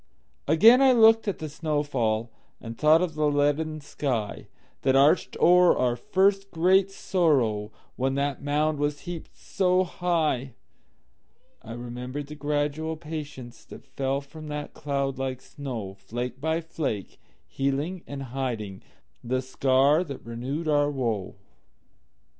Again I looked at the snow fall, And thought of the leaden skyThat arched o'er our first great sorrow, When that mound was heaped so high.I remembered the gradual patienceThat fell from that cloud like snow, Flake by flake, healing and hidingThe scar that renewed our woe.